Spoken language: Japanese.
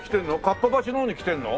かっぱ橋の方に来てるの？